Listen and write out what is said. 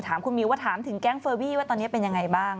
ถามคุณมิวว่าถามถึงแก๊งเฟอร์วี่ว่าตอนนี้เป็นยังไงบ้าง